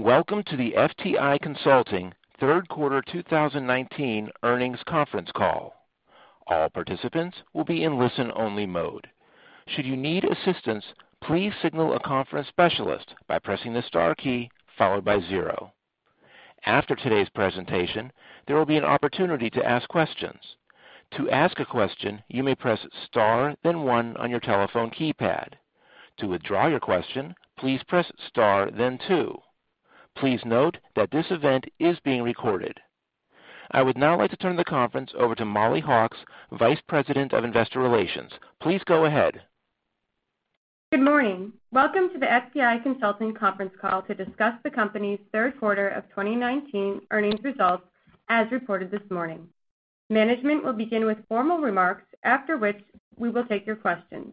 Welcome to the FTI Consulting third quarter 2019 earnings conference call. All participants will be in listen-only mode. Should you need assistance, please signal a conference specialist by pressing the star key followed by zero. After today's presentation, there will be an opportunity to ask questions. To ask a question, you may press star then one on your telephone keypad. To withdraw your question, please press star then two. Please note that this event is being recorded. I would now like to turn the conference over to Mollie Hawkes, Vice President of Investor Relations. Please go ahead. Good morning. Welcome to the FTI Consulting conference call to discuss the company's third quarter of 2019 earnings results, as reported this morning. Management will begin with formal remarks, after which we will take your questions.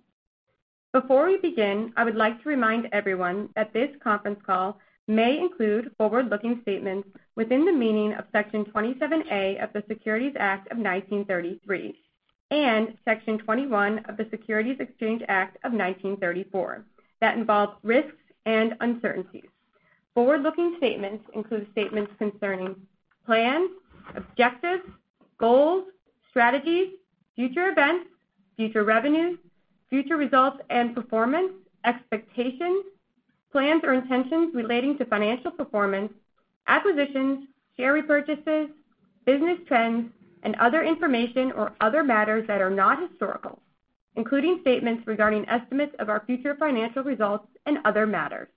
Before we begin, I would like to remind everyone that this conference call may include forward-looking statements within the meaning of Section 27A of the Securities Act of 1933, and Section 21E of the Securities Exchange Act of 1934 that involve risks and uncertainties. Forward-looking statements include statements concerning plans, objectives, goals, strategies, future events, future revenues, future results and performance, expectations, plans or intentions relating to financial performance, acquisitions, share repurchases, business trends, and other information or other matters that are not historical, including statements regarding estimates of our future financial results and other matters.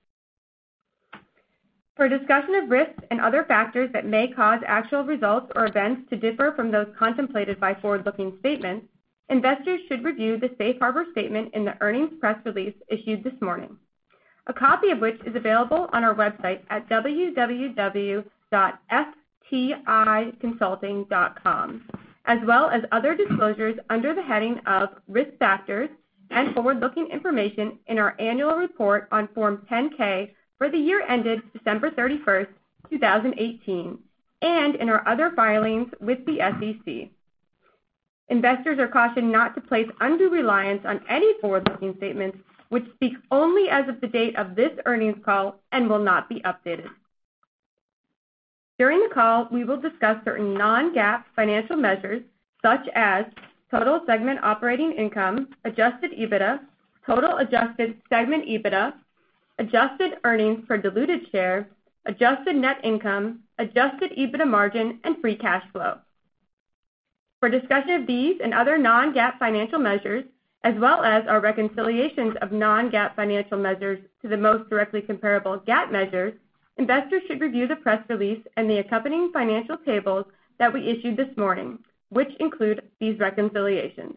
For a discussion of risks and other factors that may cause actual results or events to differ from those contemplated by forward-looking statements, investors should review the safe harbor statement in the earnings press release issued this morning, a copy of which is available on our website at www.fticonsulting.com, as well as other disclosures under the heading of Risk Factors and Forward-Looking Information in our annual report on Form 10-K for the year ended December 31st, 2018, and in our other filings with the SEC. Investors are cautioned not to place undue reliance on any forward-looking statements, which speak only as of the date of this earnings call and will not be updated. During the call, we will discuss certain non-GAAP financial measures, such as total segment operating income, adjusted EBITDA, total adjusted segment EBITDA, adjusted earnings per diluted share, adjusted net income, adjusted EBITDA margin, and free cash flow. For discussion of these and other non-GAAP financial measures, as well as our reconciliations of non-GAAP financial measures to the most directly comparable GAAP measures, investors should review the press release and the accompanying financial tables that we issued this morning, which include these reconciliations.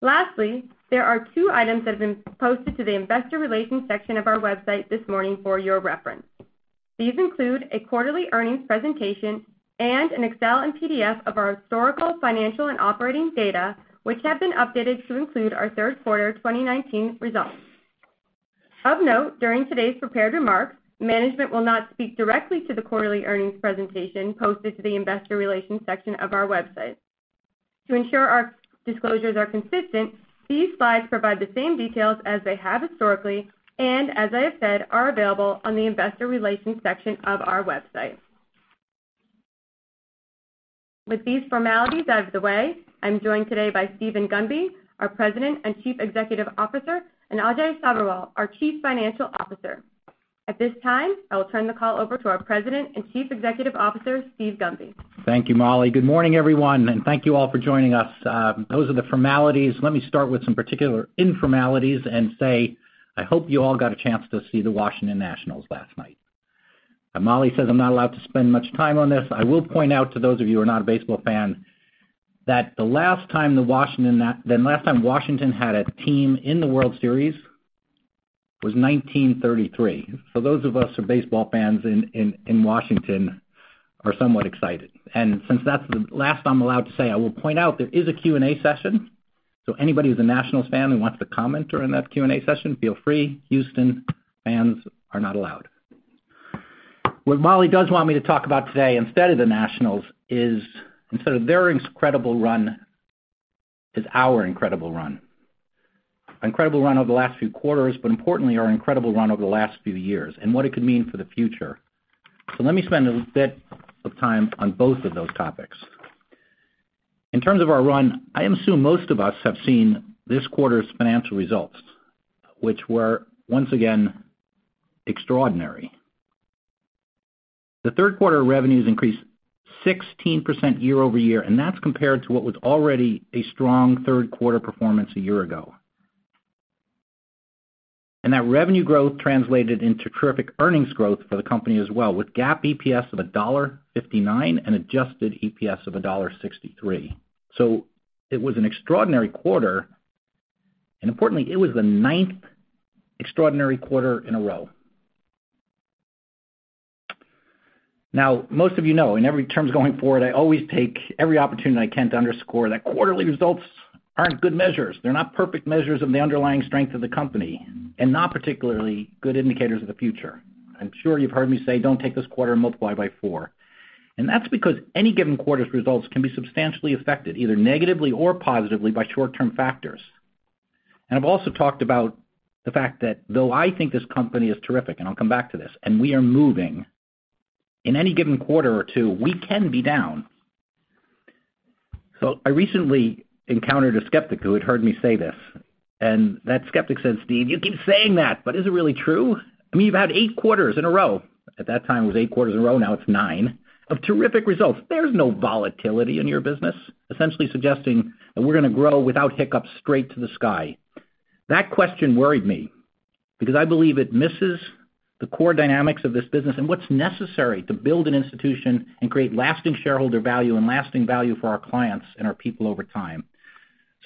Lastly, there are two items that have been posted to the investor relations section of our website this morning for your reference. These include a quarterly earnings presentation and an Excel and PDF of our historical financial and operating data, which have been updated to include our third quarter 2019 results. Of note, during today's prepared remarks, management will not speak directly to the quarterly earnings presentation posted to the investor relations section of our website. To ensure our disclosures are consistent, these slides provide the same details as they have historically, and as I have said, are available on the Investor Relations section of our website. With these formalities out of the way, I'm joined today by Steven Gunby, our President and Chief Executive Officer, and Ajay Sabherwal, our Chief Financial Officer. At this time, I will turn the call over to our President and Chief Executive Officer, Steve Gunby. Thank you, Mollie. Good morning, everyone, thank you all for joining us. Those are the formalities. Let me start with some particular informalities and say, I hope you all got a chance to see the Washington Nationals last night. Mollie says I'm not allowed to spend much time on this. I will point out to those of you who are not a baseball fan that the last time Washington had a team in the World Series was 1933. Those of us who are baseball fans in Washington are somewhat excited. Since that's the last I'm allowed to say, I will point out there is a Q&A session. Anybody who's a Nationals fan who wants to comment during that Q&A session, feel free. Houston fans are not allowed. What Mollie does want me to talk about today instead of the Nationals is, instead of their incredible run, is our incredible run. Our incredible run over the last few quarters, but importantly, our incredible run over the last few years, and what it could mean for the future. Let me spend a bit of time on both of those topics. In terms of our run, I assume most of us have seen this quarter's financial results, which were once again, extraordinary. The third quarter revenues increased 16% year-over-year, and that's compared to what was already a strong third quarter performance a year ago. That revenue growth translated into terrific earnings growth for the company as well, with GAAP EPS of $1.59 and adjusted EPS of $1.63. It was an extraordinary quarter, and importantly, it was the ninth extraordinary quarter in a row. Most of you know, in every terms going forward, I always take every opportunity I can to underscore that quarterly results aren't good measures. They're not perfect measures of the underlying strength of the company, and not particularly good indicators of the future. I'm sure you've heard me say, "Don't take this quarter and multiply by four." That's because any given quarter's results can be substantially affected, either negatively or positively, by short-term factors. I've also talked about the fact that though I think this company is terrific, and I'll come back to this, and we are moving, in any given quarter or two, we can be down. I recently encountered a skeptic who had heard me say this, and that skeptic said, "Steve, you keep saying that, but is it really true? I mean, you've had eight quarters in a row," at that time, it was eight quarters in a row, now it's nine, "of terrific results. There's no volatility in your business." Essentially suggesting that we're going to grow without hiccups straight to the sky. That question worried me because I believe it misses the core dynamics of this business and what's necessary to build an institution and create lasting shareholder value and lasting value for our clients and our people over time.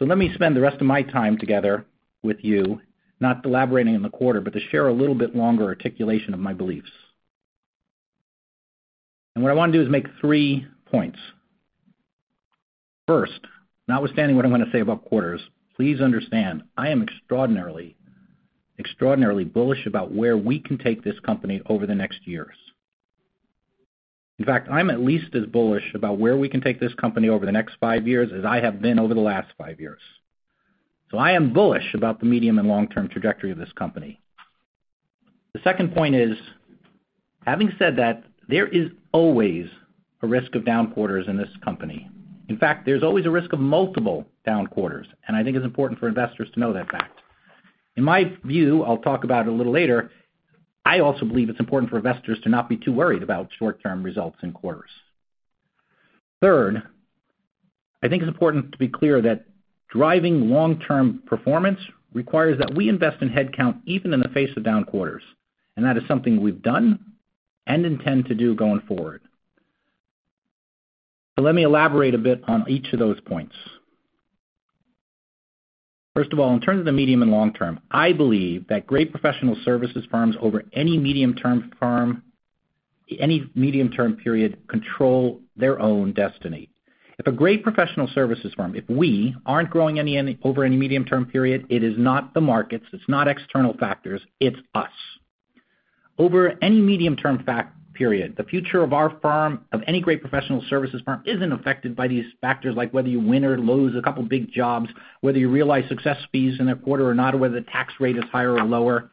Let me spend the rest of my time together with you, not elaborating on the quarter, but to share a little bit longer articulation of my beliefs. What I want to do is make three points. First, notwithstanding what I'm going to say about quarters, please understand, I am extraordinarily bullish about where we can take this company over the next years. In fact, I'm at least as bullish about where we can take this company over the next five years as I have been over the last five years. I am bullish about the medium and long-term trajectory of this company. The second point is, having said that, there is always a risk of down quarters in this company. In fact, there's always a risk of multiple down quarters, and I think it's important for investors to know that fact. In my view, I'll talk about it a little later, I also believe it's important for investors to not be too worried about short-term results in quarters. Third, I think it's important to be clear that driving long-term performance requires that we invest in headcount even in the face of down quarters, and that is something we've done and intend to do going forward. Let me elaborate a bit on each of those points. First of all, in terms of the medium and long term, I believe that great professional services firms over any medium term period control their own destiny. If a great professional services firm, if we aren't growing over any medium term period, it is not the markets, it's not external factors, it's us. Over any medium term period, the future of our firm, of any great professional services firm, isn't affected by these factors like whether you win or lose a couple big jobs, whether you realize success fees in a quarter or not, or whether the tax rate is higher or lower.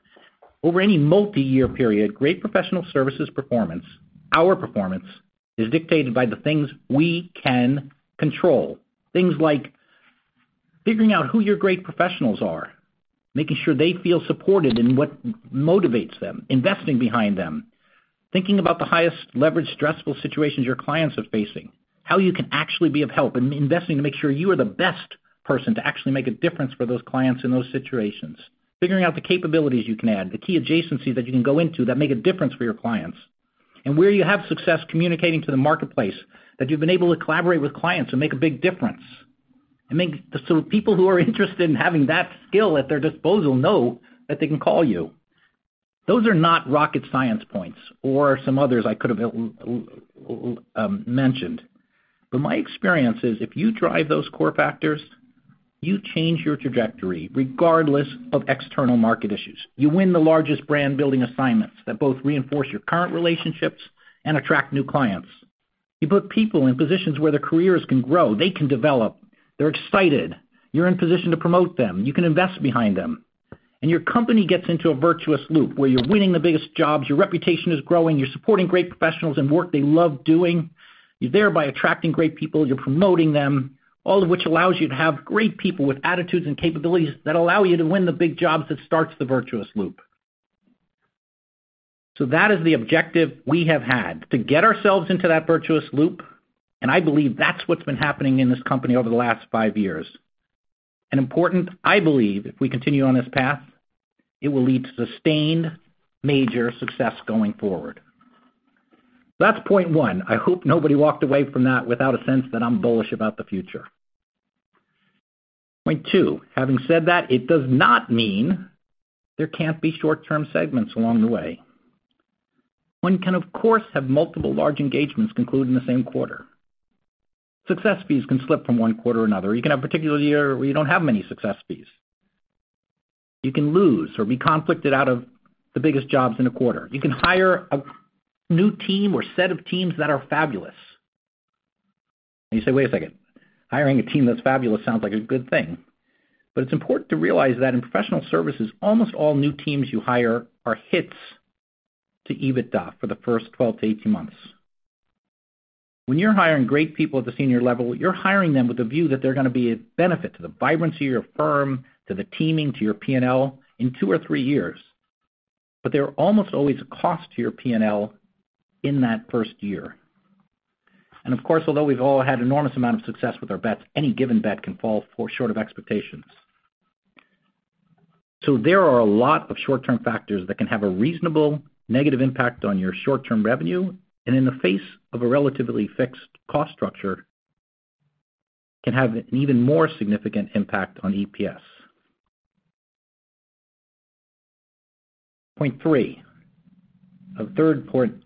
Over any multi-year period, great professional services performance, our performance, is dictated by the things we can control. Things like figuring out who your great professionals are, making sure they feel supported in what motivates them, investing behind them. Thinking about the highest leverage stressful situations your clients are facing, how you can actually be of help, and investing to make sure you are the best person to actually make a difference for those clients in those situations. Figuring out the capabilities you can add, the key adjacencies that you can go into that make a difference for your clients. Where you have success communicating to the marketplace that you've been able to collaborate with clients and make a big difference. People who are interested in having that skill at their disposal know that they can call you. Those are not rocket science points or some others I could have mentioned. My experience is if you drive those core factors, you change your trajectory regardless of external market issues. You win the largest brand-building assignments that both reinforce your current relationships and attract new clients. You put people in positions where their careers can grow, they can develop. They're excited. You're in position to promote them. You can invest behind them. Your company gets into a virtuous loop where you're winning the biggest jobs, your reputation is growing, you're supporting great professionals in work they love doing. You're thereby attracting great people, you're promoting them, all of which allows you to have great people with attitudes and capabilities that allow you to win the big jobs that starts the virtuous loop. That is the objective we have had, to get ourselves into that virtuous loop, and I believe that's what's been happening in this company over the last five years. Important, I believe, if we continue on this path, it will lead to sustained major success going forward. That's point one. I hope nobody walked away from that without a sense that I'm bullish about the future. Point two, having said that, it does not mean there can't be short-term segments along the way. One can, of course, have multiple large engagements conclude in the same quarter. Success fees can slip from one quarter to another. You can have a particular year where you don't have many success fees. You can lose or be conflicted out of the biggest jobs in a quarter. You can hire a new team or set of teams that are fabulous. You say, "Wait a second, hiring a team that's fabulous sounds like a good thing." It's important to realize that in professional services, almost all new teams you hire are hits to EBITDA for the first 12-18 months. When you're hiring great people at the senior level, you're hiring them with a view that they're going to be a benefit to the vibrancy of your firm, to the teaming, to your P&L in 2 or 3 years. They're almost always a cost to your P&L in that first year. Of course, although we've all had an enormous amount of success with our bets, any given bet can fall short of expectations. There are a lot of short-term factors that can have a reasonable negative impact on your short-term revenue, and in the face of a relatively fixed cost structure, can have an even more significant impact on EPS. Point 3. A third point,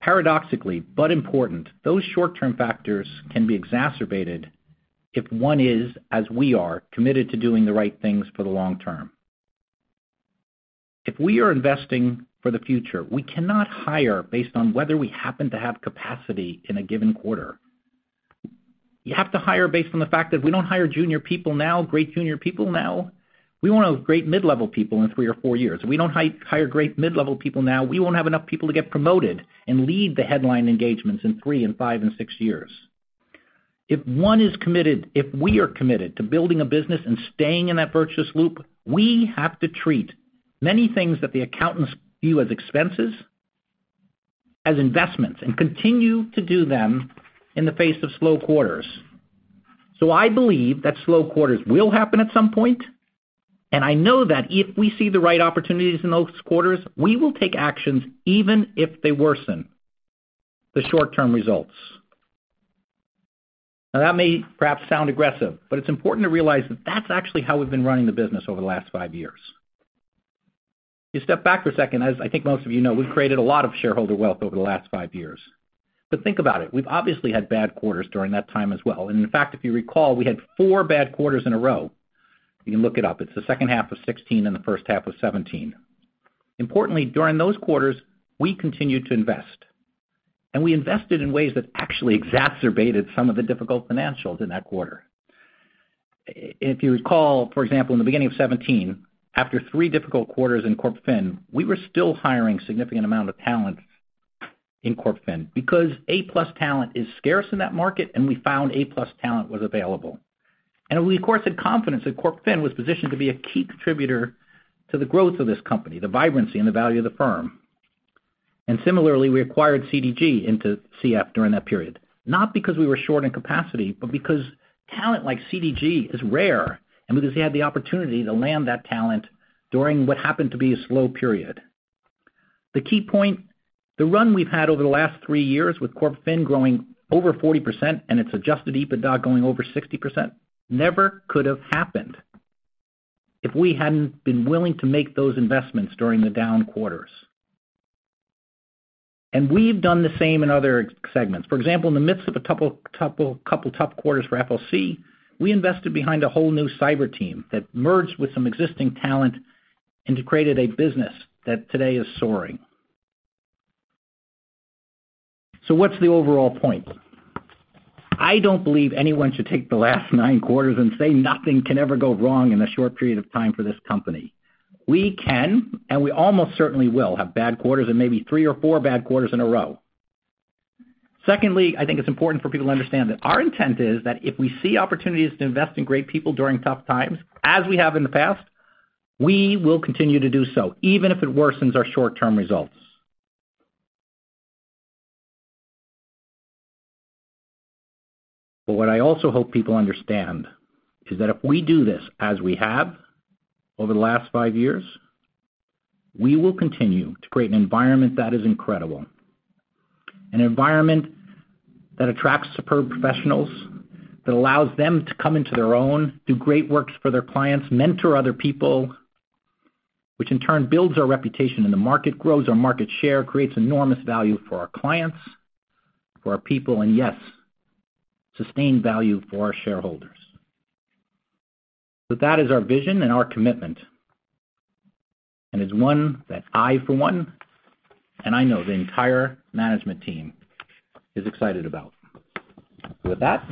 paradoxically, but important, those short-term factors can be exacerbated if one is, as we are, committed to doing the right things for the long term. If we are investing for the future, we cannot hire based on whether we happen to have capacity in a given quarter. You have to hire based on the fact if we don't hire junior people now, great junior people now, we won't have great mid-level people in three or four years. If we don't hire great mid-level people now, we won't have enough people to get promoted and lead the headline engagements in three and five and six years. If one is committed, if we are committed to building a business and staying in that virtuous loop, we have to treat many things that the accountants view as expenses, as investments, and continue to do them in the face of slow quarters. I believe that slow quarters will happen at some point, and I know that if we see the right opportunities in those quarters, we will take actions even if they worsen the short-term results. Now, that may perhaps sound aggressive, but it's important to realize that that's actually how we've been running the business over the last five years. You step back for a second, as I think most of you know, we've created a lot of shareholder wealth over the last five years. Think about it, we've obviously had bad quarters during that time as well. In fact, if you recall, we had four bad quarters in a row. You can look it up. It's the second half of 2016 and the first half of 2017. Importantly, during those quarters, we continued to invest. We invested in ways that actually exacerbated some of the difficult financials in that quarter. If you recall, for example, in the beginning of 2017, after three difficult quarters in CorpFin, we were still hiring significant amount of talent in CorpFin because A-plus talent is scarce in that market, and we found A-plus talent was available. We, of course, had confidence that CorpFin was positioned to be a key contributor to the growth of this company, the vibrancy and the value of the firm. Similarly, we acquired CDG into CF during that period, not because we were short in capacity, but because talent like CDG is rare and because we had the opportunity to land that talent during what happened to be a slow period. The key point, the run we've had over the last three years with CorpFin growing over 40% and its adjusted EBITDA going over 60% never could have happened if we hadn't been willing to make those investments during the down quarters. We've done the same in other segments. For example, in the midst of a couple tough quarters for FLC, we invested behind a whole new cyber team that merged with some existing talent and created a business that today is soaring. What's the overall point? I don't believe anyone should take the last nine quarters and say nothing can ever go wrong in a short period of time for this company. We can, and we almost certainly will have bad quarters and maybe three or four bad quarters in a row. Secondly, I think it's important for people to understand that our intent is that if we see opportunities to invest in great people during tough times, as we have in the past, we will continue to do so, even if it worsens our short-term results. What I also hope people understand is that if we do this as we have over the last five years, we will continue to create an environment that is incredible. An environment that attracts superb professionals, that allows them to come into their own, do great works for their clients, mentor other people, which in turn builds our reputation in the market, grows our market share, creates enormous value for our clients, for our people, and yes, sustained value for our shareholders. That is our vision and our commitment, and it's one that I, for one, and I know the entire management team is excited about. With that,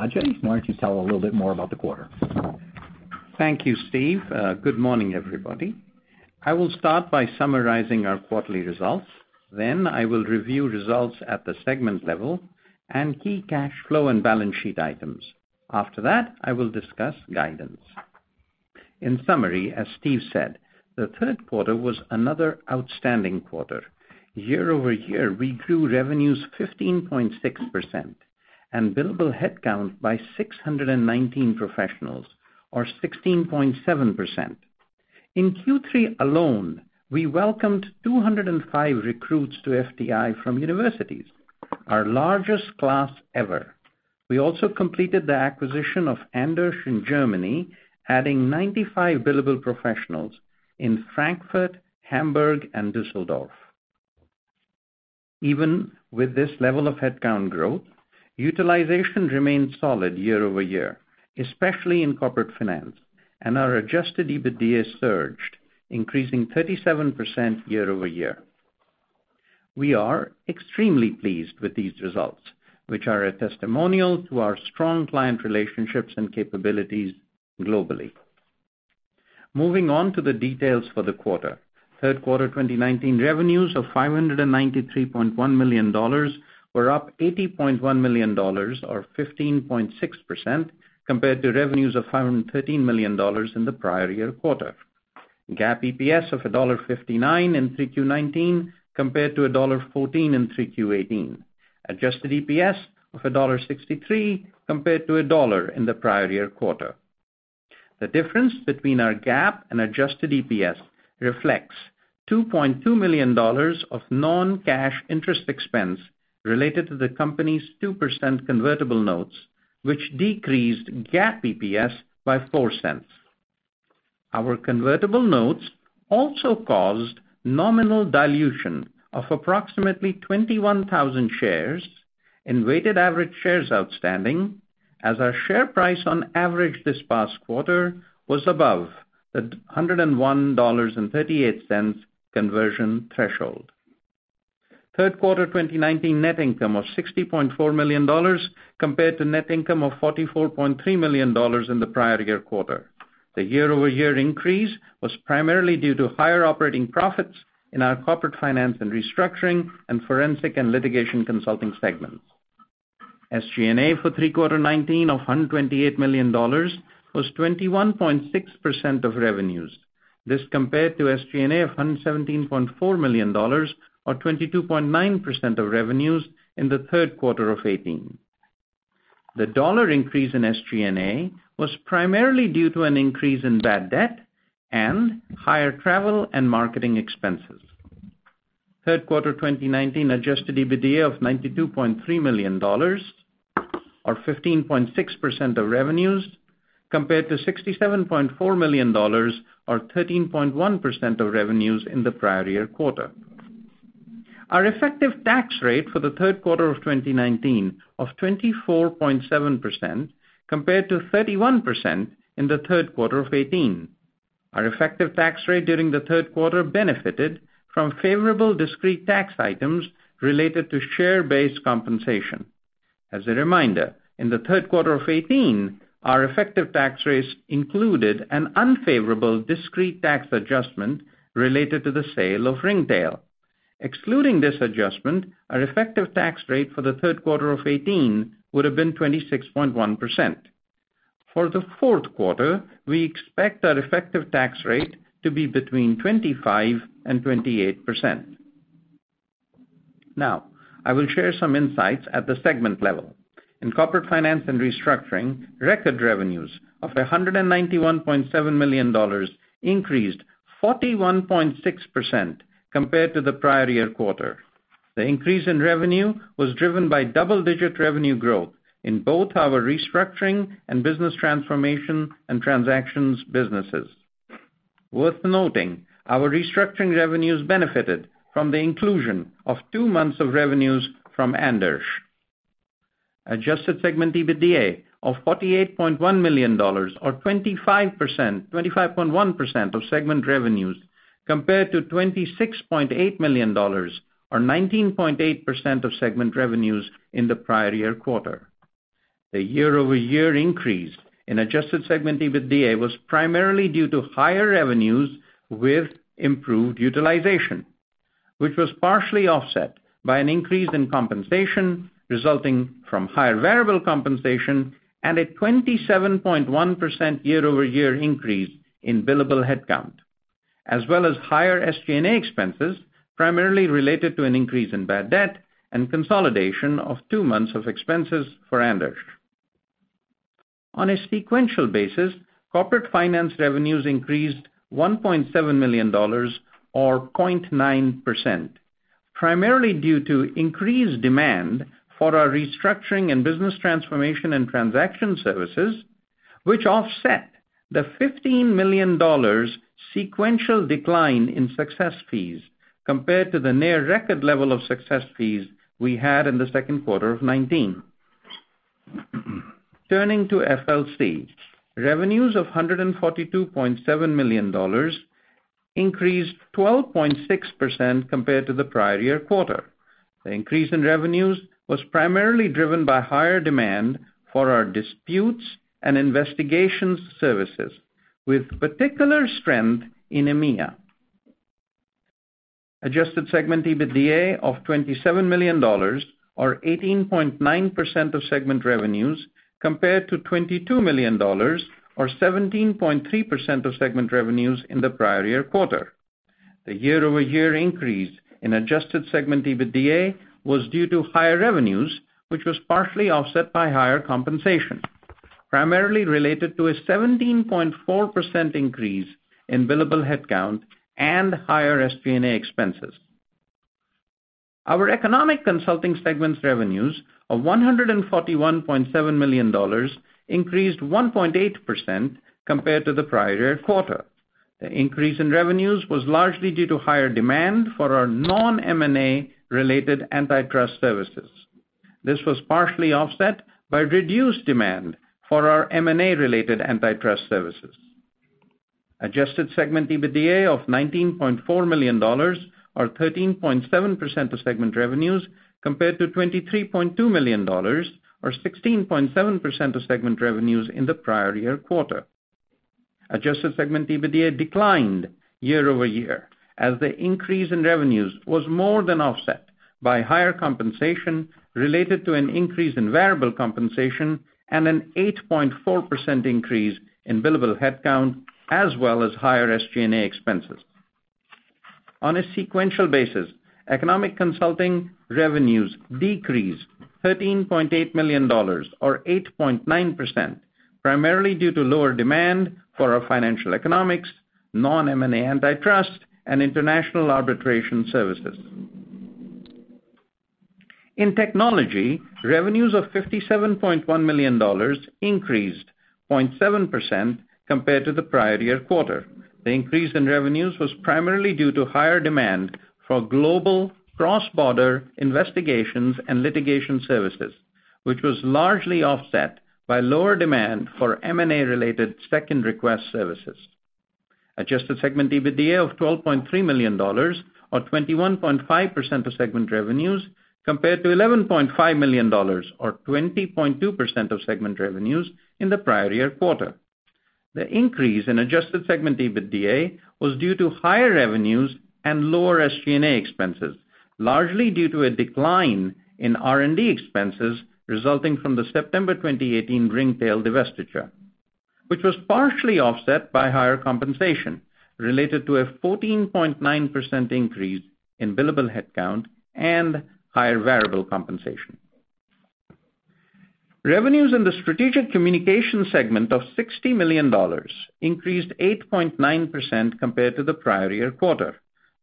Ajay, why don't you tell a little bit more about the quarter? Thank you, Steve. Good morning, everybody. I will start by summarizing our quarterly results. I will review results at the segment level and key cash flow and balance sheet items. After that, I will discuss guidance. In summary, as Steve said, the third quarter was another outstanding quarter. Year-over-year, we grew revenues 15.6% and billable headcount by 619 professionals or 16.7%. In Q3 alone, we welcomed 205 recruits to FTI from universities, our largest class ever. We also completed the acquisition of Andersch in Germany, adding 95 billable professionals in Frankfurt, Hamburg, and Düsseldorf. Even with this level of headcount growth, utilization remained solid year-over-year, especially in Corporate Finance, and our adjusted EBITDA surged, increasing 37% year-over-year. We are extremely pleased with these results, which are a testimonial to our strong client relationships and capabilities globally. Moving on to the details for the quarter. Third quarter 2019 revenues of $593.1 million were up $80.1 million or 15.6% compared to revenues of $513 million in the prior year quarter. GAAP EPS of $1.59 in 3Q '19 compared to $1.14 in 3Q '18. Adjusted EPS of $1.63 compared to $1 in the prior year quarter. The difference between our GAAP and adjusted EPS reflects $2.2 million of non-cash interest expense related to the company's 2% convertible notes, which decreased GAAP EPS by $0.04. Our convertible notes also caused nominal dilution of approximately 21,000 shares in weighted average shares outstanding. As our share price on average this past quarter was above the $101.38 conversion threshold. Third quarter 2019 net income of $60.4 million compared to net income of $44.3 million in the prior year quarter. The year-over-year increase was primarily due to higher operating profits in our Corporate Finance & Restructuring and Forensic & Litigation Consulting segments. SG&A for third quarter 2019 of $128 million was 21.6% of revenues. This compared to SG&A of $117.4 million or 22.9% of revenues in the third quarter of 2018. The dollar increase in SG&A was primarily due to an increase in bad debt and higher travel and marketing expenses. Third quarter 2019 adjusted EBITDA of $92.3 million or 15.6% of revenues compared to $67.4 million or 13.1% of revenues in the prior year quarter. Our effective tax rate for the third quarter of 2019 of 24.7% compared to 31% in the third quarter of 2018. Our effective tax rate during the third quarter benefited from favorable discrete tax items related to share-based compensation. As a reminder, in the third quarter of 2018, our effective tax rates included an unfavorable discrete tax adjustment related to the sale of Ringtail. Excluding this adjustment, our effective tax rate for the third quarter of 2018 would've been 26.1%. For the fourth quarter, we expect our effective tax rate to be between 25%-28%. I will share some insights at the segment level. In Corporate Finance & Restructuring, record revenues of $191.7 million increased 41.6% compared to the prior year quarter. The increase in revenue was driven by double-digit revenue growth in both our restructuring and business transformation and transactions businesses. Worth noting, our restructuring revenues benefited from the inclusion of two months of revenues from Andersch. Adjusted segment EBITDA of $48.1 million or 25.1% of segment revenues compared to $26.8 million or 19.8% of segment revenues in the prior year quarter. The year-over-year increase in adjusted segment EBITDA was primarily due to higher revenues with improved utilization, which was partially offset by an increase in compensation resulting from higher variable compensation and a 27.1% year-over-year increase in billable headcount, as well as higher SG&A expenses primarily related to an increase in bad debt and consolidation of two months of expenses for Andersch. On a sequential basis, Corporate Finance revenues increased $1.7 million or 0.9%, primarily due to increased demand for our restructuring and business transformation and transaction services, which offset the $15 million sequential decline in success fees compared to the near record level of success fees we had in the second quarter of 2019. Turning to FLC. Revenues of $142.7 million increased 12.6% compared to the prior year quarter. The increase in revenues was primarily driven by higher demand for our disputes and investigations services, with particular strength in EMEA. Adjusted segment EBITDA of $27 million or 18.9% of segment revenues compared to $22 million or 17.3% of segment revenues in the prior year quarter. The year-over-year increase in adjusted segment EBITDA was due to higher revenues, which was partially offset by higher compensation, primarily related to a 17.4% increase in billable headcount and higher SG&A expenses. Our Economic Consulting segment's revenues of $141.7 million increased 1.8% compared to the prior year quarter. The increase in revenues was largely due to higher demand for our non-M&A related antitrust services. This was partially offset by reduced demand for our M&A related antitrust services. Adjusted segment EBITDA of $19.4 million or 13.7% of segment revenues compared to $23.2 million or 16.7% of segment revenues in the prior year quarter. Adjusted segment EBITDA declined year-over-year as the increase in revenues was more than offset by higher compensation related to an increase in variable compensation and an 8.4% increase in billable headcount, as well as higher SG&A expenses. On a sequential basis, Economic Consulting revenues decreased $13.8 million or 8.9%, primarily due to lower demand for our financial economics, non-M&A antitrust, and international arbitration services. In Technology, revenues of $57.1 million increased 0.7% compared to the prior year quarter. The increase in revenues was primarily due to higher demand for global cross-border investigations and litigation services, which was largely offset by lower demand for M&A related second request services. Adjusted segment EBITDA of $12.3 million or 21.5% of segment revenues compared to $11.5 million or 20.2% of segment revenues in the prior year quarter. The increase in adjusted segment EBITDA was due to higher revenues and lower SG&A expenses, largely due to a decline in R&D expenses resulting from the September 2018 Ringtail divestiture, which was partially offset by higher compensation related to a 14.9% increase in billable headcount and higher variable compensation. Revenues in the Strategic Communications segment of $60 million increased 8.9% compared to the prior year quarter.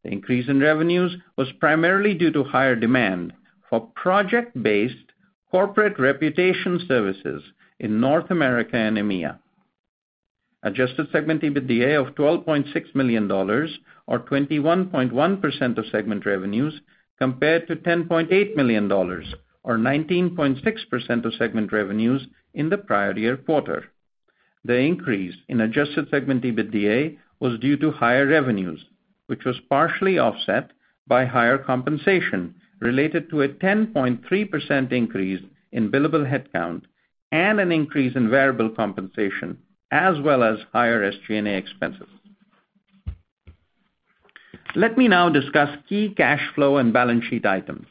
The increase in revenues was primarily due to higher demand for project-based corporate reputation services in North America and EMEA. Adjusted segment EBITDA of $12.6 million or 21.1% of segment revenues compared to $10.8 million or 19.6% of segment revenues in the prior year quarter. The increase in adjusted segment EBITDA was due to higher revenues, which was partially offset by higher compensation related to a 10.3% increase in billable headcount and an increase in variable compensation as well as higher SG&A expenses. Let me now discuss key cash flow and balance sheet items.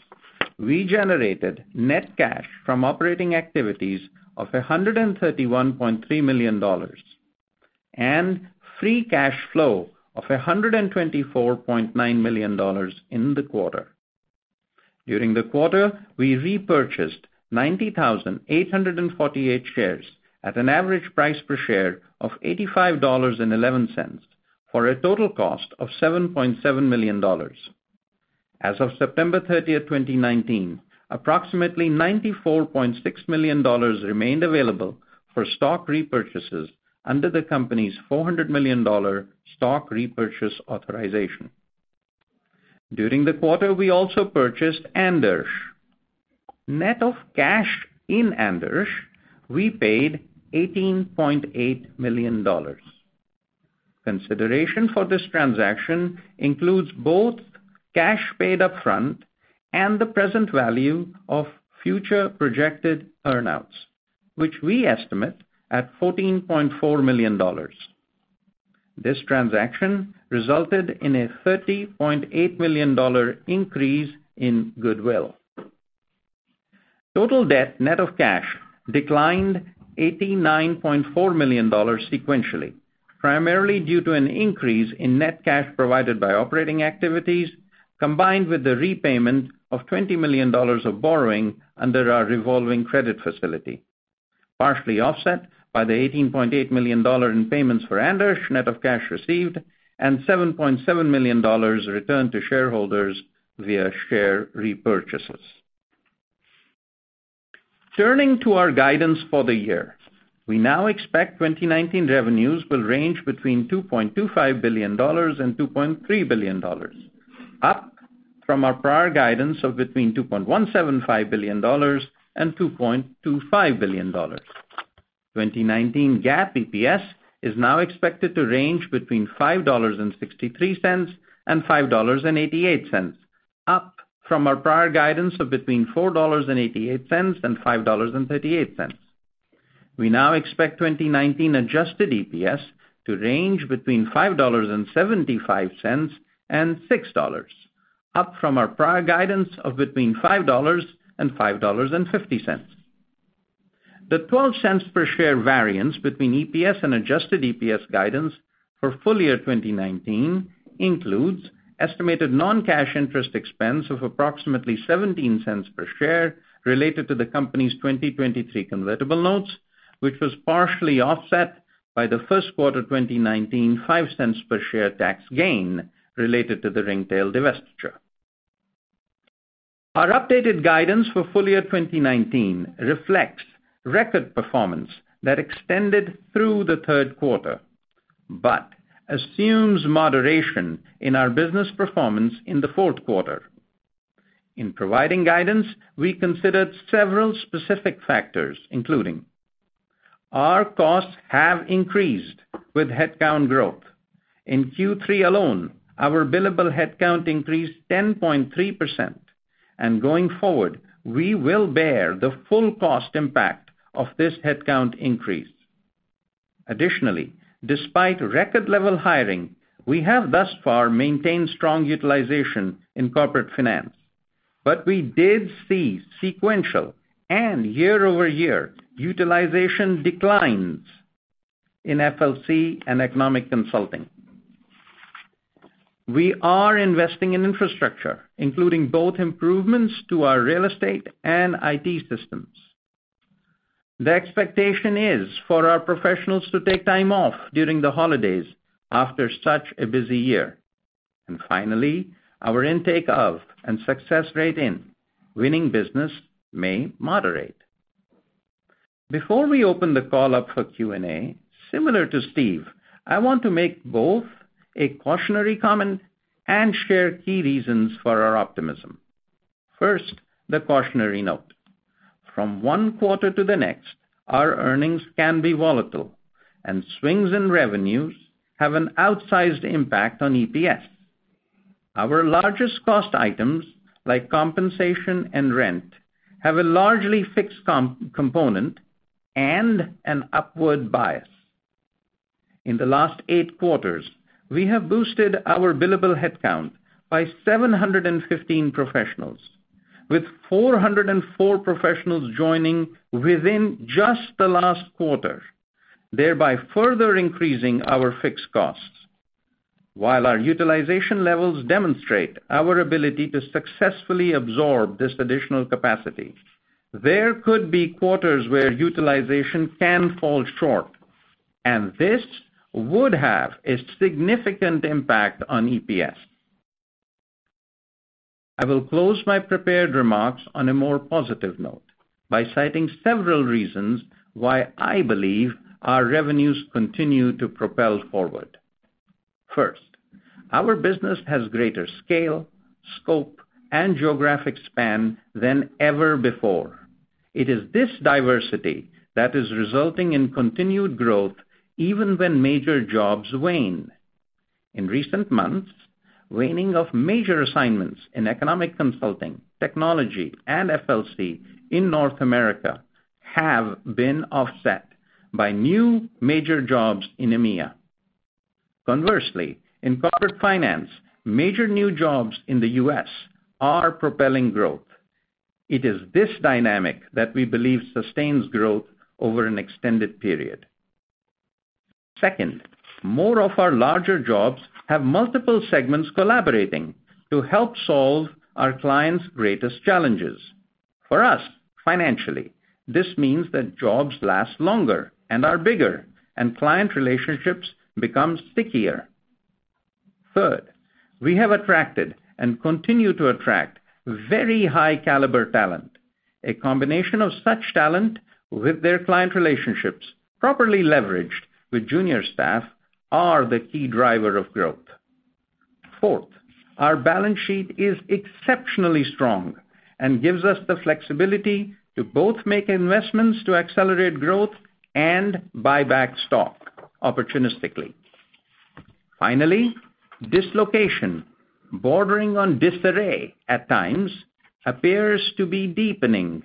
We generated net cash from operating activities of $131.3 million and free cash flow of $124.9 million in the quarter. During the quarter, we repurchased 90,848 shares at an average price per share of $85.11 for a total cost of $7.7 million. As of September 30th, 2019, approximately $94.6 million remained available for stock repurchases under the company's $400 million stock repurchase authorization. During the quarter, we also purchased Andersch. Net of cash in Andersch, we paid $18.8 million. Consideration for this transaction includes both cash paid upfront and the present value of future projected earn-outs, which we estimate at $14.4 million. This transaction resulted in a $30.8 million increase in goodwill. Total debt net of cash declined $89.4 million sequentially, primarily due to an increase in net cash provided by operating activities, combined with the repayment of $20 million of borrowing under our revolving credit facility, partially offset by the $18.8 million in payments for Andersch, net of cash received, and $7.7 million returned to shareholders via share repurchases. Turning to our guidance for the year. We now expect 2019 revenues will range between $2.25 billion and $2.3 billion, up from our prior guidance of between $2.175 billion and $2.25 billion. 2019 GAAP EPS is now expected to range between $5.63 and $5.88, up from our prior guidance of between $4.88 and $5.38. We now expect 2019 adjusted EPS to range between $5.75 and $6, up from our prior guidance of between $5 and $5.50. The $0.12 per share variance between EPS and adjusted EPS guidance for full year 2019 includes estimated non-cash interest expense of approximately $0.17 per share related to the company's 2023 convertible notes, which was partially offset by the first quarter 2019 $0.05 per share tax gain related to the Ringtail divestiture. Our updated guidance for full year 2019 reflects record performance that extended through the third quarter, but assumes moderation in our business performance in the fourth quarter. In providing guidance, we considered several specific factors, including our costs have increased with headcount growth. In Q3 alone, our billable headcount increased 10.3%, and going forward, we will bear the full cost impact of this headcount increase. Additionally, despite record level hiring, we have thus far maintained strong utilization in Corporate Finance, but we did see sequential and year-over-year utilization declines in FLC and Economic Consulting. We are investing in infrastructure, including both improvements to our real estate and IT systems. The expectation is for our professionals to take time off during the holidays after such a busy year. Finally, our intake of and success rate in winning business may moderate. Before we open the call up for Q&A, similar to Steve, I want to make both a cautionary comment and share key reasons for our optimism. First, the cautionary note. From one quarter to the next, our earnings can be volatile, and swings in revenues have an outsized impact on EPS. Our largest cost items, like compensation and rent, have a largely fixed component and an upward bias. In the last eight quarters, we have boosted our billable headcount by 715 professionals, with 404 professionals joining within just the last quarter, thereby further increasing our fixed costs. While our utilization levels demonstrate our ability to successfully absorb this additional capacity, there could be quarters where utilization can fall short, and this would have a significant impact on EPS. I will close my prepared remarks on a more positive note by citing several reasons why I believe our revenues continue to propel forward. First, our business has greater scale, scope, and geographic span than ever before. It is this diversity that is resulting in continued growth even when major jobs wane. In recent months, waning of major assignments in Economic Consulting, Technology, and FLC in North America have been offset by new major jobs in EMEA. Conversely, in Corporate Finance, major new jobs in the U.S. are propelling growth. It is this dynamic that we believe sustains growth over an extended period. Second, more of our larger jobs have multiple segments collaborating to help solve our clients' greatest challenges. For us, financially, this means that jobs last longer and are bigger, and client relationships become stickier. Third, we have attracted and continue to attract very high-caliber talent. A combination of such talent with their client relationships, properly leveraged with junior staff, are the key driver of growth. Fourth, our balance sheet is exceptionally strong and gives us the flexibility to both make investments to accelerate growth and buy back stock opportunistically. Finally, dislocation, bordering on disarray at times, appears to be deepening.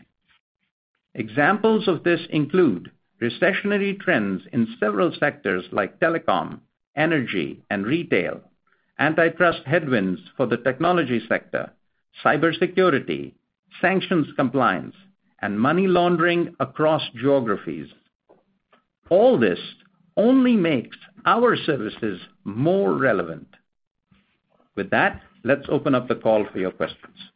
Examples of this include recessionary trends in several sectors like telecom, energy, and retail, antitrust headwinds for the technology sector, cybersecurity, sanctions compliance, and money laundering across geographies. All this only makes our services more relevant. With that, let's open up the call for your questions.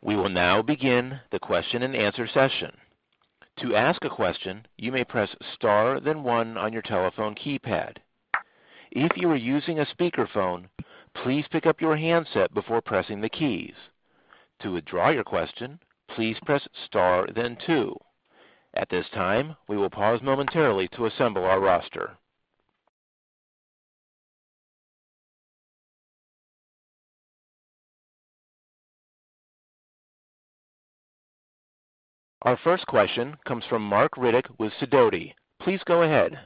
We will now begin the question-and-answer session. To ask a question, you may press star then one on your telephone keypad. If you are using a speakerphone, please pick up your handset before pressing the keys. To withdraw your question, please press star then two. At this time, we will pause momentarily to assemble our roster. Our first question comes from Marc Riddick with Sidoti. Please go ahead.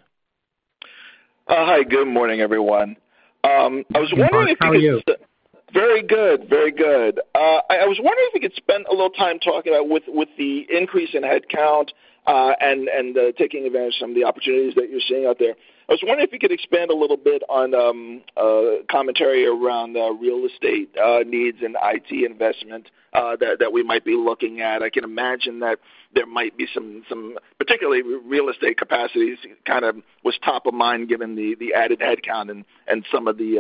Hi. Good morning, everyone. Good morning. How are you? Very good. I was wondering if you could spend a little time talking about with the increase in headcount and taking advantage of some of the opportunities that you're seeing out there. I was wondering if you could expand a little bit on commentary around real estate needs and IT investment that we might be looking at. I can imagine that there might be some Particularly real estate capacities, was top of mind given the added headcount and some of the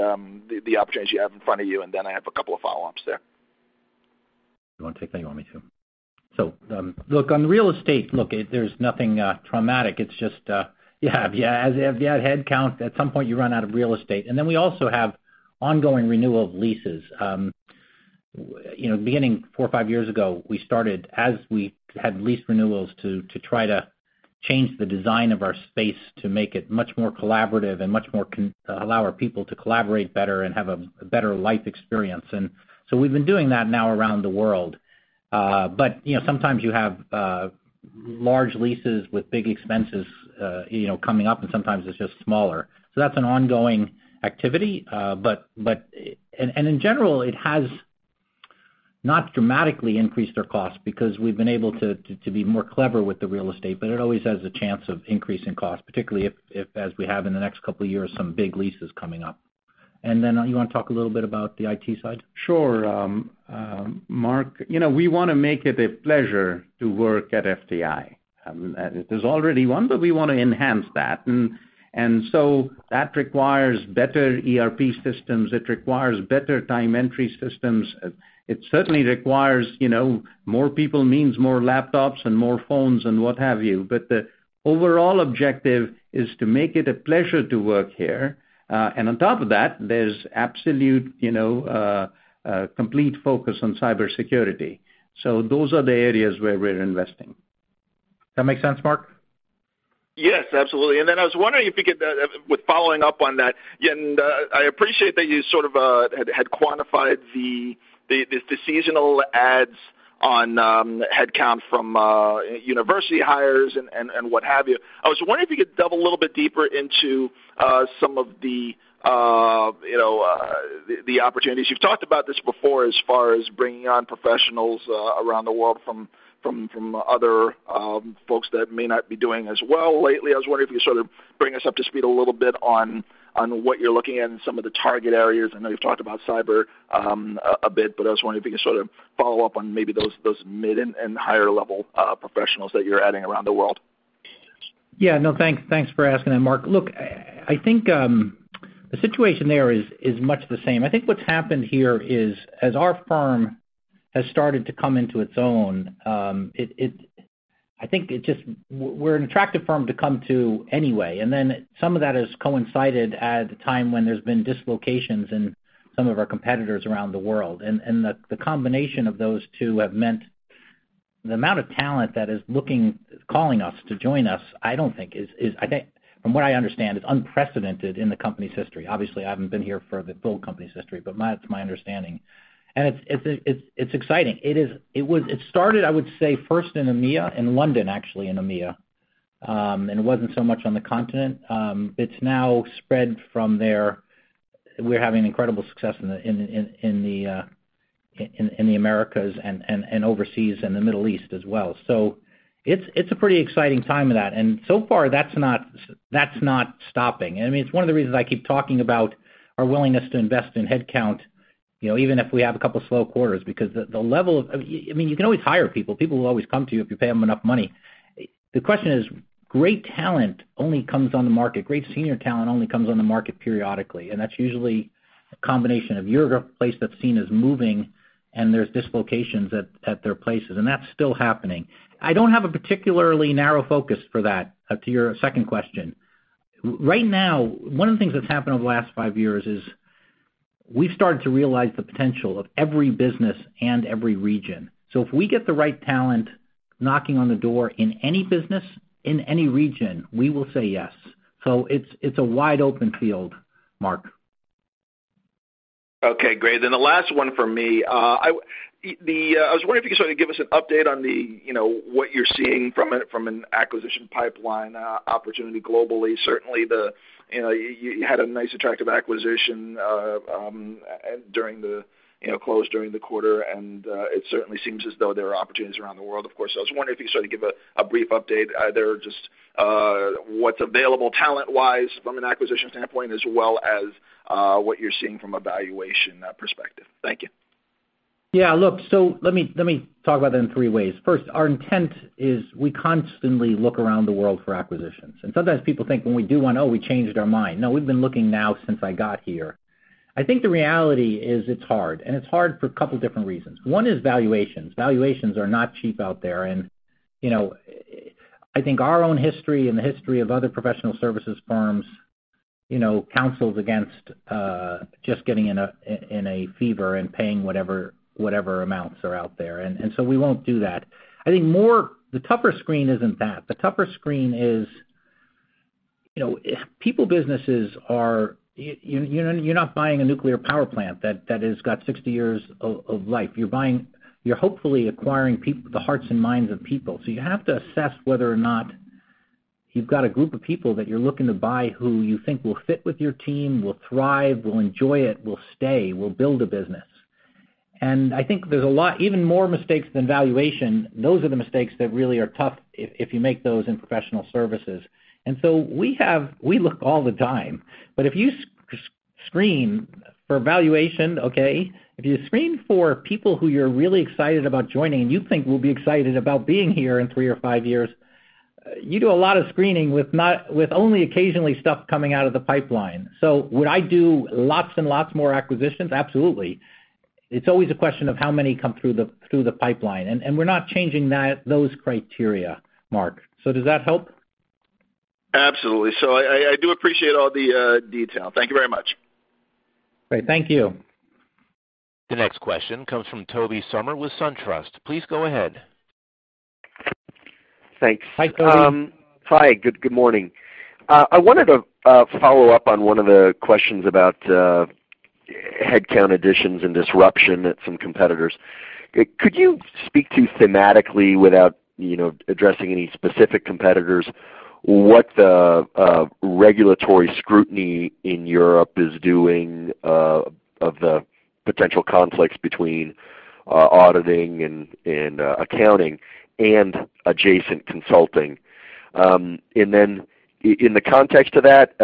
opportunities you have in front of you, and then I have a couple of follow-ups there. You want to take that or you want me to? Look, on real estate, look, there's nothing traumatic. It's just as you add headcount, at some point you run out of real estate. We also have ongoing renewal of leases. Beginning four or five years ago, we started, as we had lease renewals, to try to change the design of our space to make it much more collaborative and allow our people to collaborate better and have a better life experience. We've been doing that now around the world. Sometimes you have large leases with big expenses coming up, and sometimes it's just smaller. That's an ongoing activity. In general, it has not dramatically increased our costs because we've been able to be more clever with the real estate, but it always has a chance of increasing costs, particularly if, as we have in the next couple of years, some big leases coming up. You want to talk a little bit about the IT side? Sure, Marc. We want to make it a pleasure to work at FTI. There's already one, but we want to enhance that, and so that requires better ERP systems. It requires better time entry systems. It certainly requires more people means more laptops and more phones and what have you. The overall objective is to make it a pleasure to work here. On top of that, there's absolute complete focus on cybersecurity. Those are the areas where we're investing. That make sense, Marc? Yes, absolutely. I was wondering if you could, with following up on that, and I appreciate that you sort of had quantified the seasonal adds on headcount from university hires and what have you. I was wondering if you could delve a little bit deeper into some of the opportunities. You've talked about this before as far as bringing on professionals around the world from other folks that may not be doing as well lately. I was wondering if you sort of bring us up to speed a little bit on what you're looking at and some of the target areas. I know you've talked about cyber a bit, I was wondering if you could sort of follow up on maybe those mid and higher-level professionals that you're adding around the world. Thanks for asking that, Marc. Look, I think the situation there is much the same. I think what's happened here is, as our firm has started to come into its own, I think we're an attractive firm to come to anyway, and then some of that has coincided at a time when there's been dislocations in some of our competitors around the world, and the combination of those two have meant the amount of talent that is calling us to join us, from what I understand, is unprecedented in the company's history. Obviously, I haven't been here for the full company's history, but that's my understanding, and it's exciting. It started, I would say, first in EMEA, in London, actually, in EMEA, and it wasn't so much on the continent. It's now spread from there. We're having incredible success in the Americas and overseas in the Middle East as well. It's a pretty exciting time of that, and so far that's not stopping, and it's one of the reasons I keep talking about our willingness to invest in headcount, even if we have a couple slow quarters. You can always hire people. People will always come to you if you pay them enough money. The question is, great talent only comes on the market, great senior talent only comes on the market periodically, and that's usually a combination of you're a place that's seen as moving and there's dislocations at their places, and that's still happening. I don't have a particularly narrow focus for that, to your second question. Right now, one of the things that's happened over the last five years is we've started to realize the potential of every business and every region. If we get the right talent knocking on the door in any business, in any region, we will say yes. It's a wide-open field, Marc. Okay, great. The last one from me. I was wondering if you could sort of give us an update on what you're seeing from an acquisition pipeline opportunity globally. Certainly, you had a nice attractive acquisition closed during the quarter, and it certainly seems as though there are opportunities around the world, of course. I was wondering if you could sort of give a brief update there, just what's available talent-wise from an acquisition standpoint as well as what you're seeing from a valuation perspective. Thank you. Look, let me talk about that in three ways. First, our intent is we constantly look around the world for acquisitions, and sometimes people think when we do one, oh, we changed our mind. We've been looking now since I got here. I think the reality is it's hard, and it's hard for a couple different reasons. One is valuations. Valuations are not cheap out there, and I think our own history and the history of other professional services firms counsels against just getting in a fever and paying whatever amounts are out there, and so we won't do that. The tougher screen isn't that. The tougher screen is people businesses. You're not buying a nuclear power plant that has got 60 years of life. You're hopefully acquiring the hearts and minds of people, so you have to assess whether or not you've got a group of people that you're looking to buy who you think will fit with your team, will thrive, will enjoy it, will stay, will build a business. I think even more mistakes than valuation, those are the mistakes that really are tough if you make those in professional services. We look all the time. If you screen for valuation, okay, if you screen for people who you're really excited about joining and you think will be excited about being here in three or five years, you do a lot of screening with only occasionally stuff coming out of the pipeline. Would I do lots and lots more acquisitions? Absolutely. It's always a question of how many come through the pipeline, and we're not changing those criteria, Marc. Does that help? Absolutely. I do appreciate all the detail. Thank you very much. Great. Thank you. The next question comes from Tobey Sommer with SunTrust. Please go ahead. Thanks. Hi, Tobey. Hi. Good morning. I wanted to follow up on one of the questions about headcount additions and disruption at some competitors. Could you speak to thematically, without addressing any specific competitors, what the regulatory scrutiny in Europe is doing of the potential conflicts between auditing and accounting and adjacent consulting? In the context of that,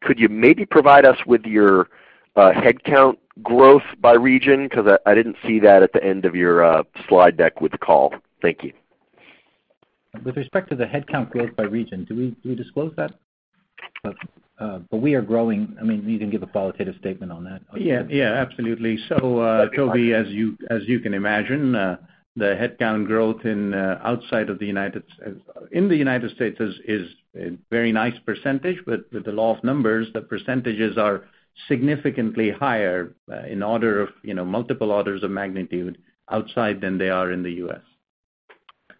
could you maybe provide us with your headcount growth by region? Because I didn't see that at the end of your slide deck with the call. Thank you. With respect to the headcount growth by region, do we disclose that? We are growing. You can give a qualitative statement on that. Yeah, absolutely. Tobey, as you can imagine, the headcount growth in the United States is a very nice percentage, but with the law of numbers, the percentages are significantly higher in multiple orders of magnitude outside than they are in the U.S.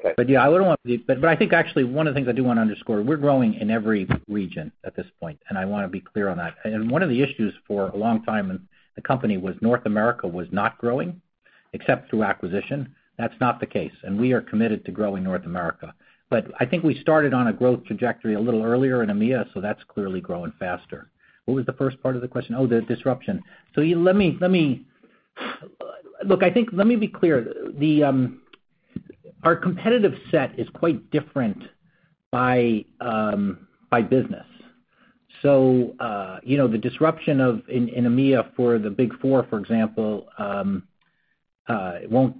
Okay. I think actually one of the things I do want to underscore, we're growing in every region at this point, and I want to be clear on that. One of the issues for a long time in the company was North America was not growing except through acquisition. That's not the case, and we are committed to growing North America. I think we started on a growth trajectory a little earlier in EMEA, that's clearly growing faster. What was the first part of the question? Oh, the disruption. Look, I think, let me be clear. Our competitive set is quite different by business. The disruption in EMEA for the Big Four, for example, won't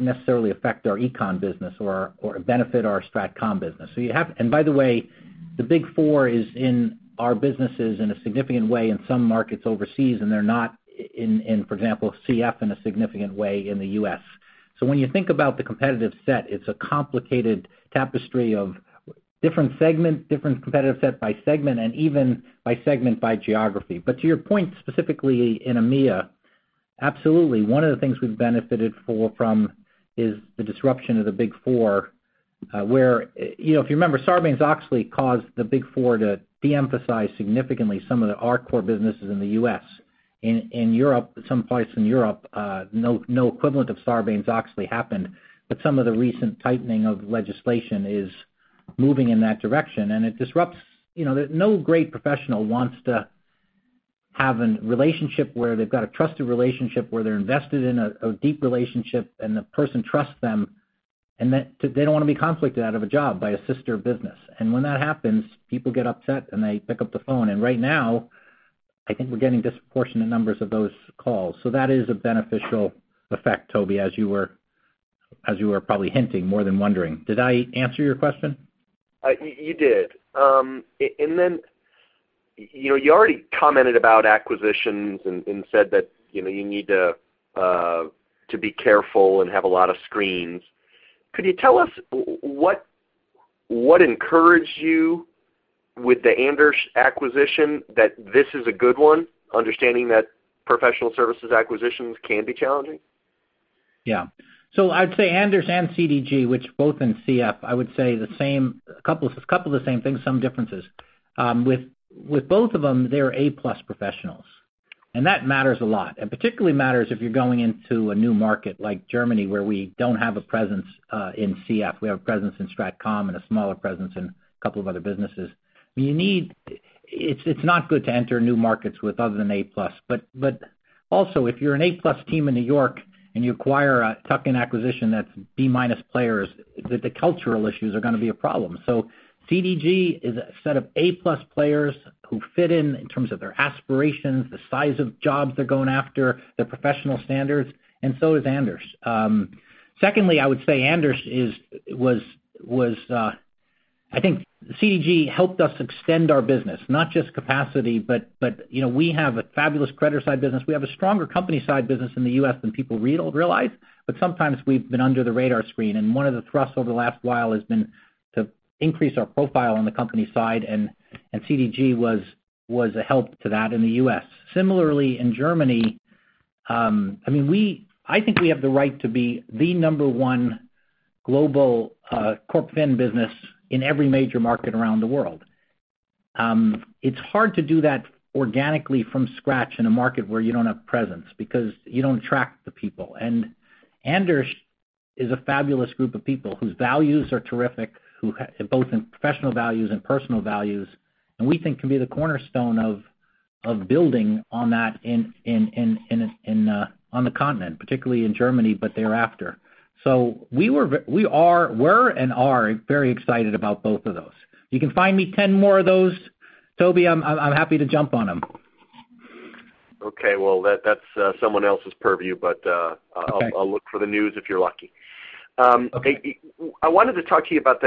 necessarily affect our Econ business or benefit our Strat Comm business. By the way, the Big Four is in our businesses in a significant way in some markets overseas, and they're not in, for example, CF in a significant way in the U.S. When you think about the competitive set, it's a complicated tapestry of different segment, different competitive set by segment, and even by segment by geography. To your point, specifically in EMEA, absolutely. One of the things we've benefited from is the disruption of the Big Four, where if you remember, Sarbanes-Oxley caused the Big Four to de-emphasize significantly some of our core businesses in the U.S. In some places in Europe, no equivalent of Sarbanes-Oxley happened. Some of the recent tightening of legislation is moving in that direction. No great professional wants to have a relationship where they've got a trusted relationship, where they're invested in a deep relationship and the person trusts them. They don't want to be conflicted out of a job by a sister business. When that happens, people get upset. They pick up the phone. Right now, I think we're getting disproportionate numbers of those calls. That is a beneficial effect, Tobey, as you were probably hinting more than wondering. Did I answer your question? You did. You already commented about acquisitions and said that you need to be careful and have a lot of screens. Could you tell us what encouraged you with the Andersch acquisition that this is a good one, understanding that professional services acquisitions can be challenging? I'd say Andersch and CDG, which both in CF, I would say a couple of the same things, some differences. With both of them, they're A-plus professionals, and that matters a lot, and particularly matters if you're going into a new market like Germany, where we don't have a presence in CF. We have a presence in Strat Comm and a smaller presence in a couple of other businesses. It's not good to enter new markets with other than A-plus. Also, if you're an A-plus team in New York and you acquire a tuck-in acquisition that's B-minus players, the cultural issues are going to be a problem. CDG is a set of A-plus players who fit in terms of their aspirations, the size of jobs they're going after, their professional standards, and so is Andersch. Secondly, I would say Andersch. I think CDG helped us extend our business, not just capacity. We have a fabulous creditor side business. We have a stronger company side business in the U.S. than people realize. Sometimes we've been under the radar screen, and one of the thrusts over the last while has been to increase our profile on the company side, and CDG was a help to that in the U.S. Similarly, in Germany, I think we have the right to be the number one global CorpFin business in every major market around the world. It's hard to do that organically from scratch in a market where you don't have presence because you don't attract the people. Andersch is a fabulous group of people whose values are terrific, both in professional values and personal values, and we think can be the cornerstone of building on that on the continent, particularly in Germany, but thereafter. We were and are very excited about both of those. If you can find me 10 more of those, Tobey, I'm happy to jump on them. Okay. Well, that's someone else's purview. Okay I'll look for the news, if you're lucky. Okay. I wanted to talk to you about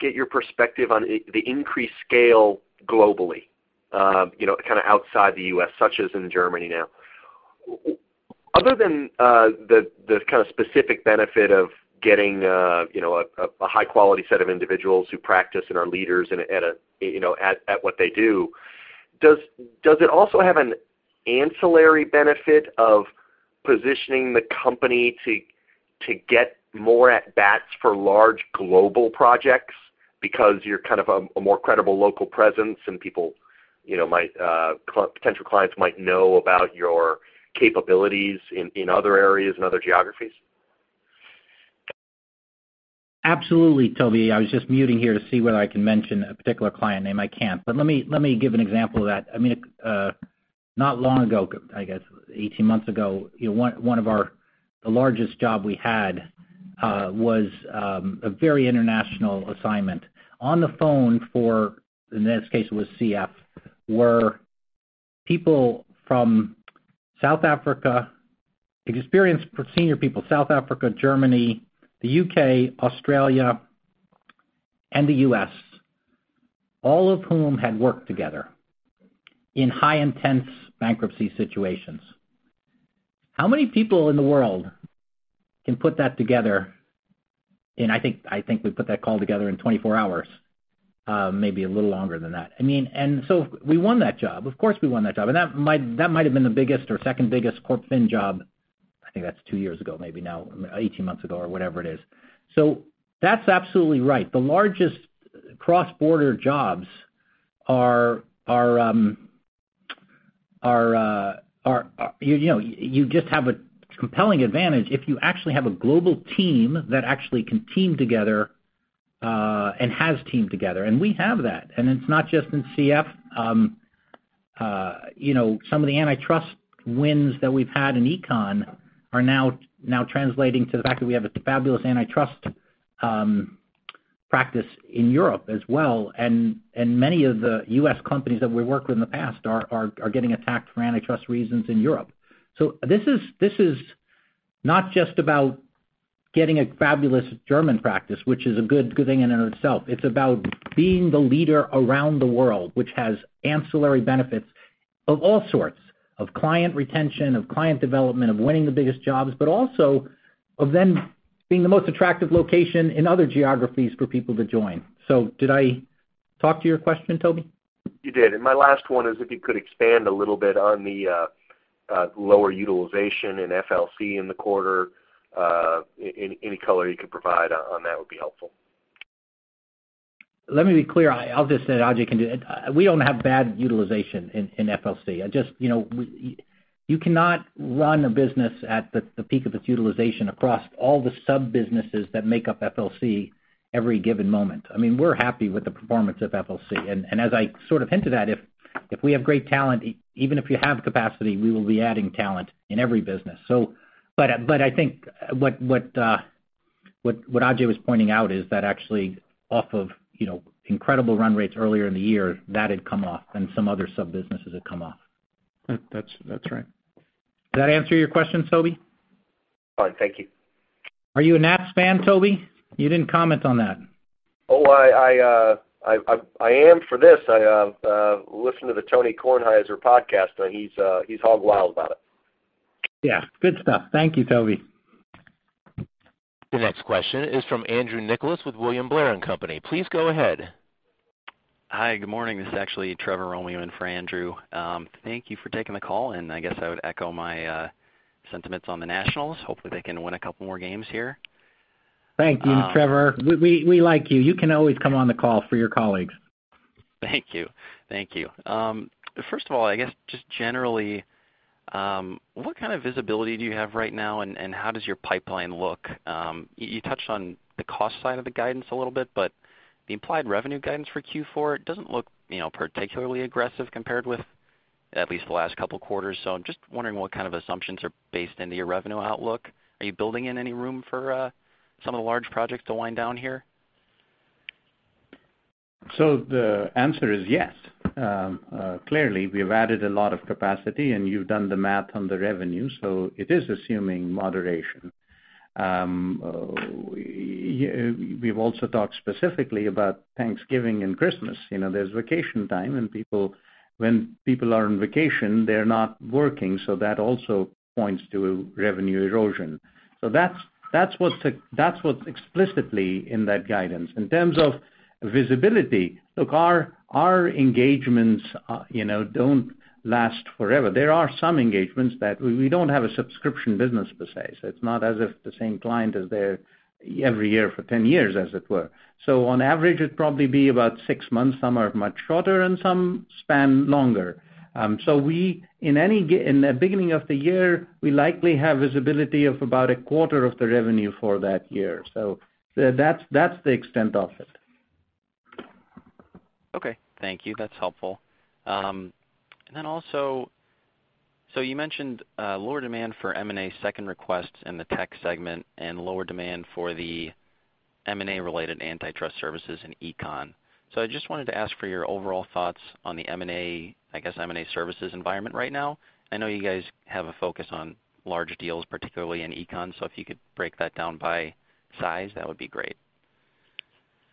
get your perspective on the increased scale globally, kind of outside the U.S., such as in Germany now. Other than the kind of specific benefit of getting a high-quality set of individuals who practice and are leaders at what they do, does it also have an ancillary benefit of positioning the company to get more at-bats for large global projects because you're kind of a more credible local presence and potential clients might know about your capabilities in other areas and other geographies? Absolutely, Tobey. I was just muting here to see whether I can mention a particular client name. I can't. Let me give an example of that. Not long ago, I guess 18 months ago, the largest job we had was a very international assignment. On the phone for, in this case it was CF, were people from South Africa, experienced senior people, South Africa, Germany, the U.K., Australia, and the U.S., all of whom had worked together in high intense bankruptcy situations. How many people in the world can put that together in, I think we put that call together in 24 hours. Maybe a little longer than that. We won that job. Of course, we won that job. That might've been the biggest or second biggest CorpFin job, I think that's 2 years ago, maybe now, 18 months ago or whatever it is. That's absolutely right. The largest cross-border jobs, you just have a compelling advantage if you actually have a global team that actually can team together, and has teamed together, and we have that, and it's not just in CF. Some of the antitrust wins that we've had in econ are now translating to the fact that we have a fabulous antitrust practice in Europe as well. Many of the U.S. companies that we worked with in the past are getting attacked for antitrust reasons in Europe. This is not just about getting a fabulous German practice, which is a good thing in and of itself. It's about being the leader around the world, which has ancillary benefits of all sorts, of client retention, of client development, of winning the biggest jobs, but also of then being the most attractive location in other geographies for people to join. Did I talk to your question, Tobey? You did. And my last one is if you could expand a little bit on the lower utilization in FLC in the quarter. Any color you could provide on that would be helpful. Let me be clear. I'll just say, Ajay can do it. We don't have bad utilization in FLC. You cannot run a business at the peak of its utilization across all the sub-businesses that make up FLC every given moment. We're happy with the performance of FLC. As I sort of hinted at, if we have great talent, even if you have capacity, we will be adding talent in every business. I think what Ajay was pointing out is that actually off of incredible run rates earlier in the year, that had come off and some other sub-businesses had come off. That's right. Did that answer your question, Tobey? Fine. Thank you. Are you a Nats fan, Tobey? You didn't comment on that. Oh, I am for this. I listened to the Tony Kornheiser podcast. He's hog wild about it. Yeah. Good stuff. Thank you, Tobey. The next question is from Andrew Nicholas with William Blair & Company. Please go ahead. Hi. Good morning. This is actually Trevor Roman for Andrew. Thank you for taking the call, and I guess I would echo my sentiments on the Nationals. Hopefully, they can win a couple more games here. Thank you, Trevor. We like you. You can always come on the call for your colleagues. Thank you. First of all, I guess just generally, what kind of visibility do you have right now, and how does your pipeline look? You touched on the cost side of the guidance a little bit, the implied revenue guidance for Q4, it doesn't look particularly aggressive compared with at least the last couple quarters. I'm just wondering what kind of assumptions are based into your revenue outlook. Are you building in any room for some of the large projects to wind down here? The answer is yes. Clearly, we've added a lot of capacity, and you've done the math on the revenue, it is assuming moderation. We've also talked specifically about Thanksgiving and Christmas. There's vacation time, and when people are on vacation, they're not working, that also points to revenue erosion. That's what's explicitly in that guidance. In terms of visibility, look, our engagements don't last forever. There are some engagements. We don't have a subscription business per se, it's not as if the same client is there every year for 10 years, as it were. On average, it'd probably be about six months. Some are much shorter, and some span longer. In the beginning of the year, we likely have visibility of about a quarter of the revenue for that year. That's the extent of it. Okay. Thank you. That's helpful. Then also, you mentioned lower demand for M&A second requests in the Tech segment and lower demand for the M&A-related antitrust services in Econ. I just wanted to ask for your overall thoughts on the, I guess, M&A services environment right now. I know you guys have a focus on larger deals, particularly in Econ, if you could break that down by size, that would be great.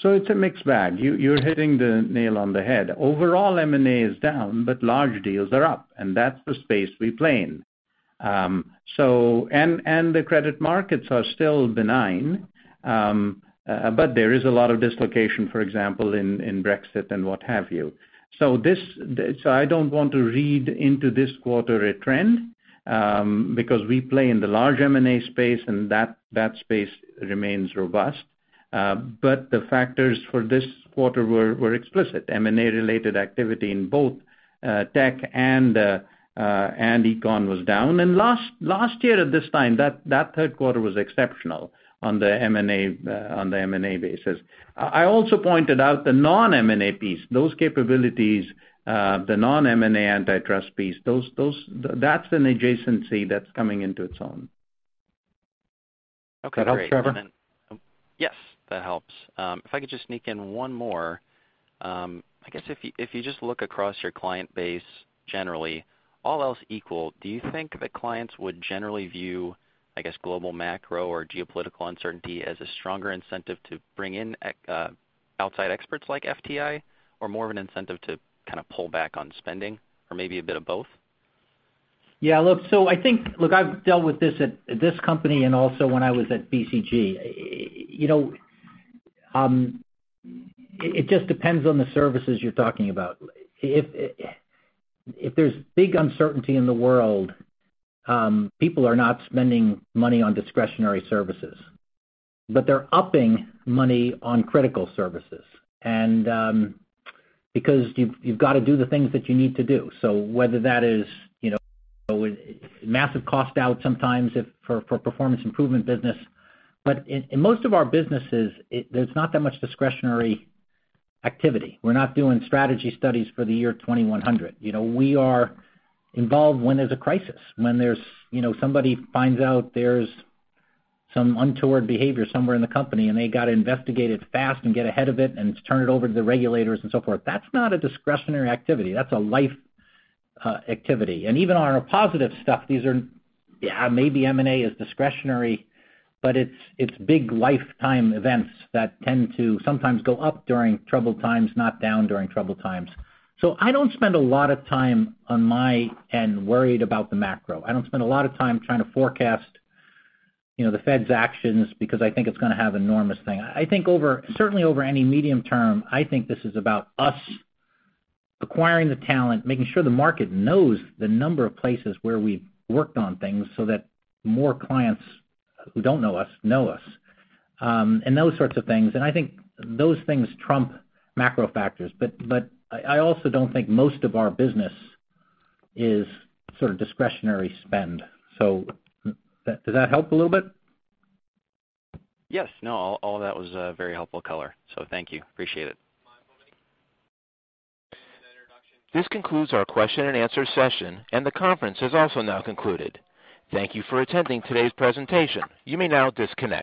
It's a mixed bag. You're hitting the nail on the head. Overall, M&A is down, but large deals are up, and that's the space we play in. The credit markets are still benign, but there is a lot of dislocation, for example, in Brexit and what have you. I don't want to read into this quarter a trend, because we play in the large M&A space and that space remains robust. The factors for this quarter were explicit. M&A-related activity in both Technology and Economic Consulting was down. Last year at this time, that third quarter was exceptional on the M&A basis. I also pointed out the non-M&A piece, those capabilities, the non-M&A antitrust piece, that's an adjacency that's coming into its own. Okay, great. That help, Trevor? Yes, that helps. If I could just sneak in one more. I guess if you just look across your client base generally, all else equal, do you think that clients would generally view, I guess, global macro or geopolitical uncertainty as a stronger incentive to bring in outside experts like FTI, or more of an incentive to kind of pull back on spending, or maybe a bit of both? Yeah. Look, I've dealt with this at this company and also when I was at BCG. It just depends on the services you're talking about. If there's big uncertainty in the world, people are not spending money on discretionary services, but they're upping money on critical services, because you've got to do the things that you need to do. Whether that is massive cost out sometimes for performance improvement business. In most of our businesses, there's not that much discretionary activity. We're not doing strategy studies for the year 2100. We are involved when there's a crisis, when somebody finds out there's some untoward behavior somewhere in the company, and they got to investigate it fast and get ahead of it and turn it over to the regulators and so forth. That's not a discretionary activity. That's a life activity. Even on our positive stuff, yeah, maybe M&A is discretionary, but it's big lifetime events that tend to sometimes go up during troubled times, not down during troubled times. I don't spend a lot of time on my end worried about the macro. I don't spend a lot of time trying to forecast the Fed's actions because I think it's going to have enormous thing. Certainly over any medium term, I think this is about us acquiring the talent, making sure the market knows the number of places where we've worked on things so that more clients who don't know us, know us, and those sorts of things. I think those things trump macro factors. I also don't think most of our business is sort of discretionary spend. Does that help a little bit? Yes. No, all that was very helpful color. Thank you. Appreciate it. This concludes our question and answer session, and the conference has also now concluded. Thank you for attending today's presentation. You may now disconnect.